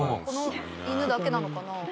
この犬だけなのかな？